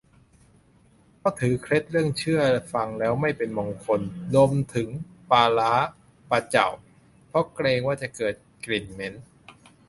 เพราะถือเคล็ดเรื่องชื่อฟังแล้วไม่เป็นมงคล รวมถึง ปลาร้า ปลาเจ่า เพราะเกรงว่าจะเกิดกลิ่นเหม็น